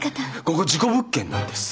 ここ事故物件なんです。